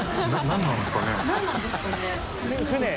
・何なんですかね？